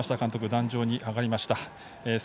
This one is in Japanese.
壇上に上がりました。